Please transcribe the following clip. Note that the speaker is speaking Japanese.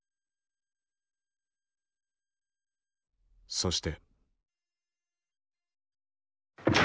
そして。